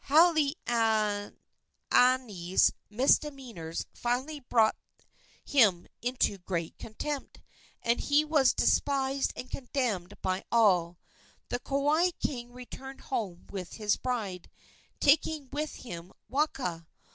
Halaaniani's misdemeanors finally brought him into great contempt, and he was despised and condemned by all. The Kauai king returned home with his bride, taking with him Waka.